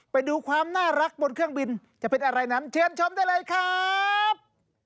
ไปดูความน่ารักบนเครื่องบินจะเป็นอะไรนั้นเชิญชมได้เลยครับ